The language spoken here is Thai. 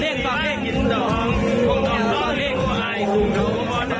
ต้องเตรียมต้องเตรียมเวลาวันเที่ยงต่อให้กินดอง